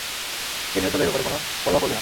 কে নিহত হলো, এ ব্যাপারে কোন পরোয়া করবে না।